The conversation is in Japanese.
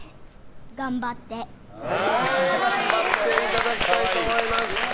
頑張っていただきたいと思います。